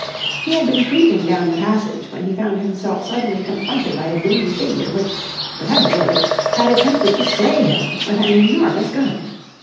He had been creeping down the passage when he found himself suddenly confronted by a dim figure which, without a word, had attempted to slay him with an enormous gun.